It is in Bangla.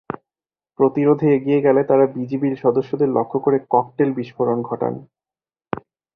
প্রতিরোধে এগিয়ে গেলে তাঁরা বিজিবির সদস্যদের লক্ষ্য করে ককটেলের বিস্ফোরণ ঘটান।